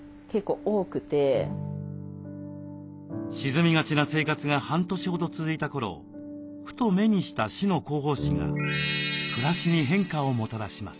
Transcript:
沈みがちな生活が半年ほど続いた頃ふと目にした市の広報誌が暮らしに変化をもたらします。